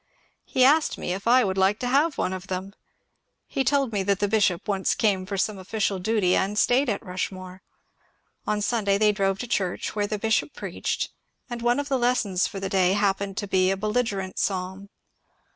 He asked me if I would like to have one of them I He told me that the bishop once came for some official duty and staid at Rush more. On Sunday they drove to church, where the bishop preached, and one of the lessons for the day happened to be a belligerent psalm.